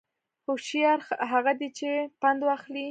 هوشیار هغه دی چې پند واخلي